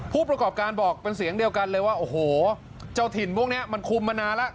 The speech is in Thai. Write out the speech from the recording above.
ผู้ประกอบการบอกเป็นเสียงเดียวกันเลยว่าโอ้โหเจ้าถิ่นพวกนี้มันคุมมานานแล้ว